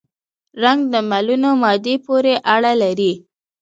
رنګ د ملونه مادې پورې اړه لري.